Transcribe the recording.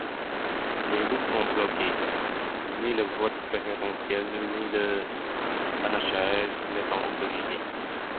Les listes sont bloquées, ni le vote préférentiel ni le panachage n'étant autorisés.